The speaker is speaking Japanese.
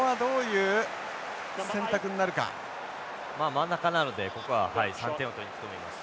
真ん中なのでここは３点を取りに行くと思います。